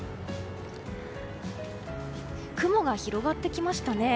雲が広がってきましたね。